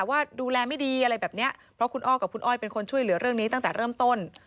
ว่าดูแลไม่ดีอะไรแบบเนี้ยเพราะคุณอ้อกับคุณอ้อยเป็นคนช่วยเหลือเรื่องนี้ตั้งแต่เริ่มต้น